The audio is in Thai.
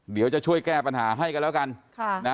เดี๋ยวจะช่วยแก้ปัญหาให้กันแล้วกัน